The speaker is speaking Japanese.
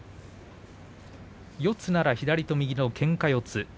四つなら左と右のけんか四つ。